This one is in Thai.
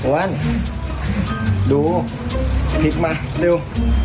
วันดูพลิกมาดู